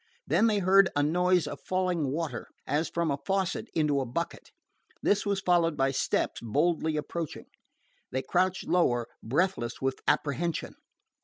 Then they heard a noise of falling water, as from a faucet into a bucket. This was followed by steps boldly approaching. They crouched lower, breathless with apprehension.